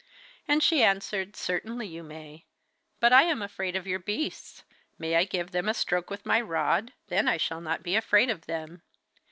And she answered: 'Certainly you may. But I am afraid of your beasts. May I give them a stroke with my rod, then I shall not be afraid of them.